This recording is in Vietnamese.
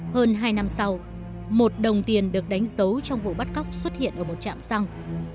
hơn hai năm sau một đồng tiền được đánh dấu trong vụ bắt cóc xuất hiện ở một trạm xăng